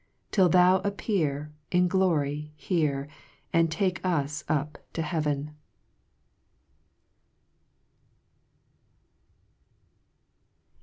Till thou appear, In glory here, And take us up to heaven.